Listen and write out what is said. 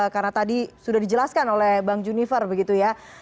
karena tadi sudah dijelaskan oleh bang juniper begitu ya